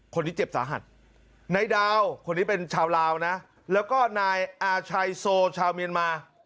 คนนี้เจ็บสาหัสนายดาวคนนี้เป็นชาวลาวนะแล้วก็นายอาชัยโซชาวเมียนมา